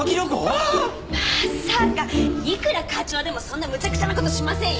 まさかいくら課長でもそんなむちゃくちゃな事しませんよ。